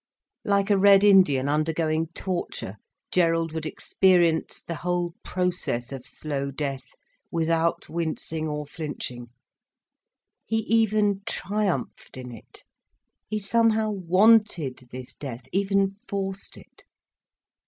Like a Red Indian undergoing torture, Gerald would experience the whole process of slow death without wincing or flinching. He even triumphed in it. He somehow wanted this death, even forced it.